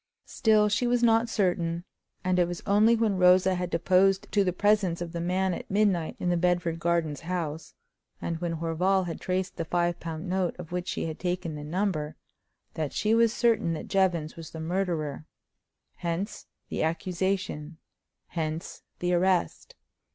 Still, she was not certain; and it was only when Rosa had deposed to the presence of the man at midnight in the Bedford Gardens house, and when Horval had traced the five pound note of which she had taken the number, that she was certain that Jevons was the murderer. Hence the accusation; hence the arrest.